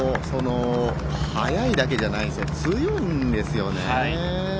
速いだけじゃないですね強いんです。